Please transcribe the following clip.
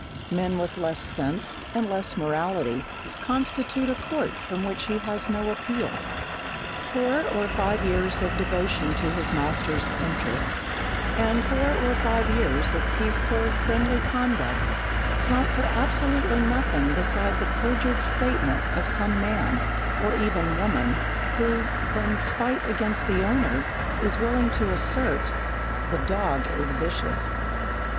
Men with less sense, and less morality, constitute a court from which he has no appeal. Four or five years of devotion to his master's interests, and four or five years of peaceful, friendly conduct, count for absolutely nothing beside the perjured statement of some man, or even woman, who, from spite against the owner, is willing to assert, "the dog is vicious."